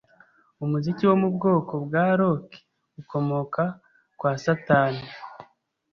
umuziki wo mu bwoko bwa rock ukomoka kwa Satani,